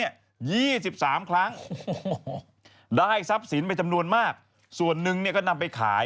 ได้ทรัพย์สินที่สามารถไปจำนวนมากส่วนนึงนำไปขาย